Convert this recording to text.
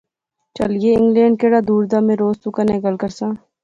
چہلئے، انگلینڈ کیڑا دور دا روز میں تو کنے گل کرساں